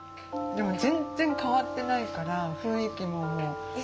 でも全然変わってないから雰囲気も。